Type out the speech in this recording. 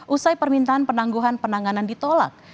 usai permintaan penangguhan penanganan ditolak